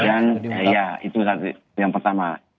ya itu yang pertama